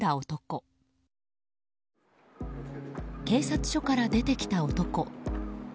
警察署から出てきた男。